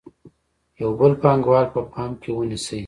یو بل پانګوال په پام کې ونیسئ